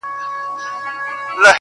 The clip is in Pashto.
ما ویلي وه چي ته نه سړی کيږې-